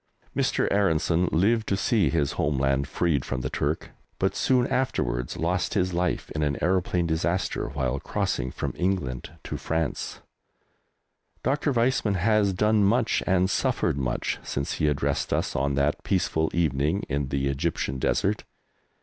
Mr. Aaronson lived to see his home land freed from the Turk, but soon afterwards lost his life in an aeroplane disaster while crossing from England to France. Dr. Weizmann has done much and suffered much since he addressed us on that peaceful evening in the Egyptian desert.